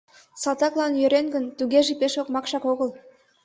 Салтаклан йӧрен гын, тугеже пеш окмакшак огыл.